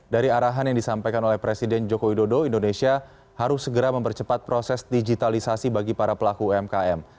dari arahan yang disampaikan oleh presiden joko widodo indonesia harus segera mempercepat proses digitalisasi bagi para pelaku umkm